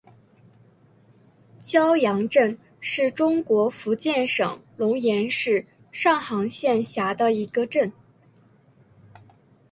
蛟洋镇是中国福建省龙岩市上杭县下辖的一个镇。